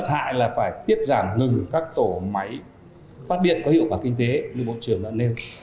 tại là phải tiết giảm ngừng các tổ máy phát biện có hiệu quả kinh tế như bộ trưởng đã nêu